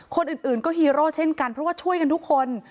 คนอื่นก็ฮีโร่เช่นกันเพราะว่าช่วยกันทุกคน